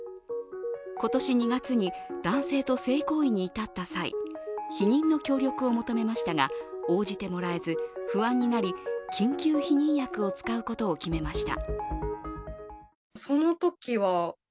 今年２月に男性と性行為に至った際避妊の協力を求めましたが、応じてもらえず不安になり、緊急避妊薬を使うことを決めました。